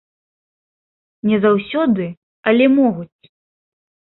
Не заўсёды, але могуць.